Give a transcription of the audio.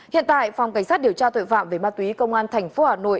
hiện tại phòng cảnh sát điều tra tội phạm về ma túy công an thành phố hà nội